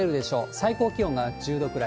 最高気温が１０度くらい。